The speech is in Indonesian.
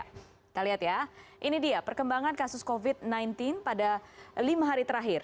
kita lihat ya ini dia perkembangan kasus covid sembilan belas pada lima hari terakhir